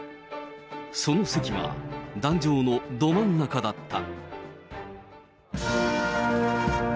その席は、壇上のど真ん中だった。